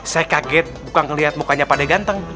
saya kaget bukan ngeliat mukanya padeh ganteng